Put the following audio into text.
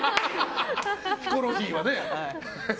ヒコロヒーはね。